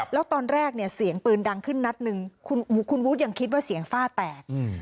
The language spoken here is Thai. แล้วตอนแรกเนี่ยเสียงปืนดังขึ้นนัดหนึ่งคุณวุฒิยังคิดว่าเสียงฝ้าแตก